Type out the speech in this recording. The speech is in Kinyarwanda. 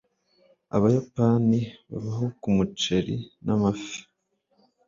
abayapani babaho kumuceri n'amafi